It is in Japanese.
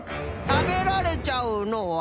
「たべられちゃうのは」？